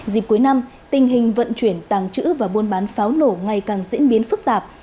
dịp cuối năm tình hình vận chuyển tàng trữ và buôn bán pháo nổ ngày càng diễn biến phức tạp